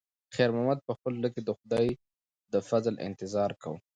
خیر محمد په خپل زړه کې د خدای د فضل انتظار کاوه.